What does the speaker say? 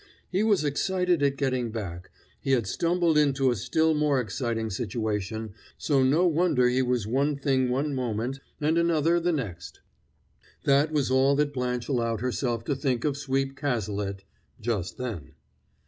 He was excited at getting back, he had stumbled into a still more exciting situation, so no wonder he was one thing one moment and another the next. That was all that Blanche allowed herself to think of Sweep Cazalet just then.